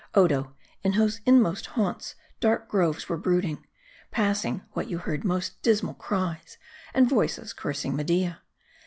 Odo, in whose inmost haunts, dark groves were brooding, passing which you heard most dismal cries, and voices cursing Media.